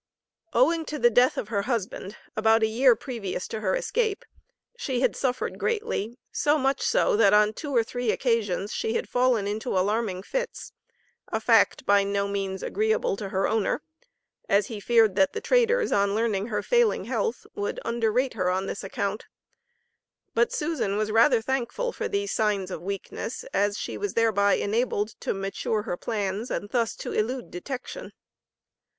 Owing to the death of her husband, about a year previous to her escape, she had suffered greatly, so much so, that on two or three occasions, she had fallen into alarming fits, a fact by no means agreeable to her owner, as he feared that the traders on learning her failing health would underrate her on this account. But Susan was rather thankful for these signs of weakness, as she was thereby enabled to mature her plans and thus to elude detection.